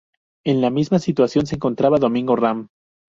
En la misma situación se encontraba Domingo Ram.